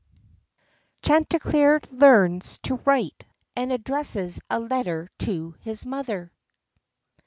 CHANTICLEER LEARNS TO WRITE, AND ADDRESSES A LETTER TO HIS MOTHER.